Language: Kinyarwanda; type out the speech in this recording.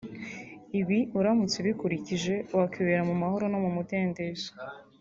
Ibi uramutse ubikurikije wakwibera mu mahoro no mu mudendezo